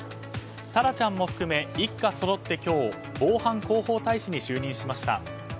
タラちゃんも含め一家そろって今日防犯広報大使に就任しました。